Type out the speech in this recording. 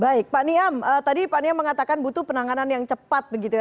baik pak niam tadi pak niam mengatakan butuh penanganan yang cepat begitu ya